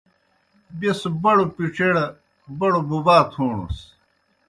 بیْس بڑوْ پِڇِیڑ بڑوْ بُبَا تھوݨَس۔